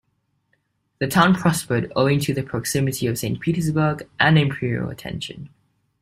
The town prospered owing to the proximity of Saint Petersburg and imperial attention.